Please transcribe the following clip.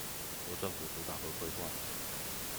由政府主導和規劃